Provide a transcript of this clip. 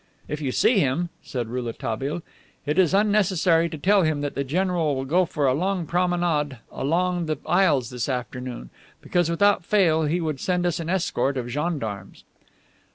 "If you see him," said Rouletabille, "it is unnecessary to tell him that the general will go for a long promenade among the isles this afternoon, because without fail he would send us an escort of gendarmes."